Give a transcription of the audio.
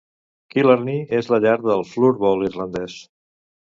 Killarney és la llar del "floorball" irlandès .